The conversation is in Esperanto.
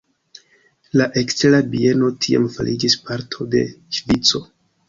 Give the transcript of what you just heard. La Ekstera Bieno tiam fariĝis parto de Ŝvico.